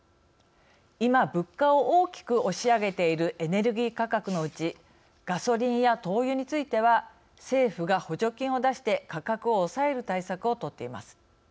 今、物価を大きく押し上げているエネルギー価格のうちガソリンや灯油については政府が補助金を出して価格を抑える対策を取っています。